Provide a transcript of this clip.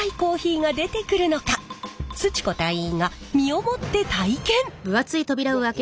ち子隊員が身をもって体験！